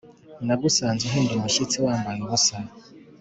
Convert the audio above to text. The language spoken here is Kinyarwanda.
nagusanze - uhinda umushyitsi, wambaye ubusa.